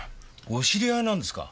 お知り合いなんですか？